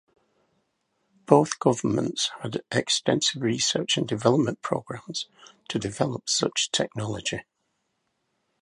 Both governments had extensive research and development programs to develop such technology.